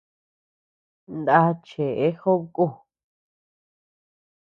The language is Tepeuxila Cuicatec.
Nda cheʼe jobe ku.